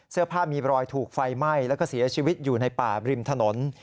เสื้อผ้ามีรอยถูกไฟไหม้แล้วก็เสียชีวิตอยู่ในป่าริมถนน